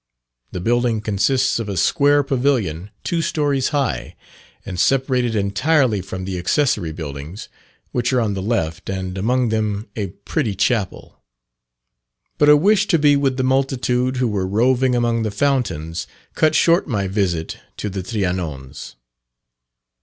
The building consists of a square pavilion two stories high, and separated entirely from the accessory buildings, which are on the left, and among them a pretty chapel. But a wish to be with the multitude, who were roving among the fountains, cut short my visit to the trianons.